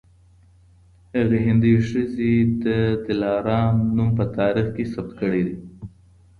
هغې هندۍ ښځې د دلارام نوم په تاریخ کي ثبت کړی دی